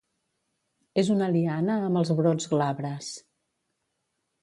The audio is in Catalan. És una liana amb els brots glabres.